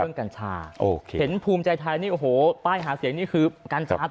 เรื่องกัญชาเห็นภูมิใจทายนี่ป้ายหาเสียงนี่คือกัญชา